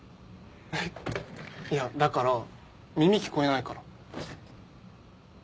えっいやだから耳聞こえないから。